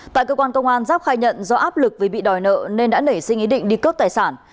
tại cơ quan công an giáp khai nhận do áp lực vì bị đòi nợ nên đã nảy sinh ý định đi cướp tài sản